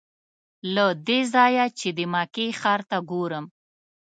له دې ځایه چې د مکې ښار ته ګورم.